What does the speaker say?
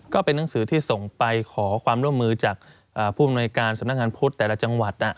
ก็เป็นหนังสือที่ส่งไปขอความร่วมมือจากผู้อำนวยการสำนักงานพุทธแต่ละจังหวัด